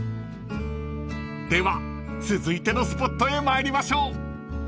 ［では続いてのスポットへ参りましょう］